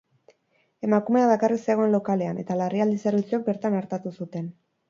Emakumea bakarrik zegoen lokalean, eta larrialdi zerbitzuek bertan artatu zuten.